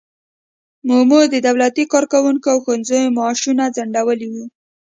مومو د دولتي کارکوونکو او ښوونکو معاشونه ځنډولي وو.